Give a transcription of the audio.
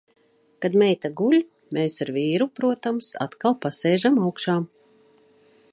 Kad meita guļ, mēs ar vīru, protams, atkal pasēžam augšā.